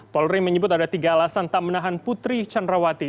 polri menyebut ada tiga alasan tak menahan putri candrawati